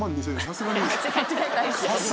さすがに。